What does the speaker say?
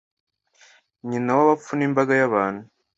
nyina w'abapfu n'imbaga y'abantu